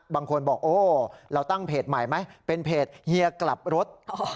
บางคนบอกโอ้เราตั้งเพจใหม่ไหมเป็นเพจเฮียกลับรถ